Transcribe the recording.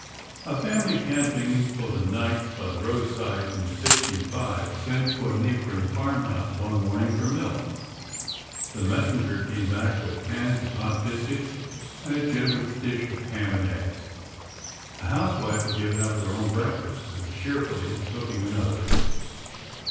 A family camping for the night by the roadside in '65 sent to a neighboring farm house one morning for milk. The messenger came back with pans of hot biscuits and a generous dish of ham and eggs. The housewife had given up her own breakfast and was cheerfully cook ing another.